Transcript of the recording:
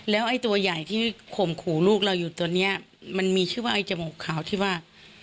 แล้วไอ้ตัวใหญ่ที่ข่มขู่ลูกเราอยู่ตอนนี้มันมีชื่อว่าไอ้จมูกขาวที่ว่า